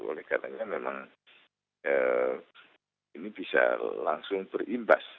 oleh karena memang ini bisa langsung berimbas